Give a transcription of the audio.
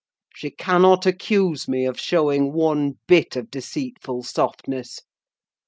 She cannot accuse me of showing one bit of deceitful softness.